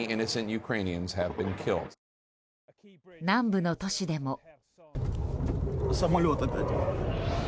南部の都市でも。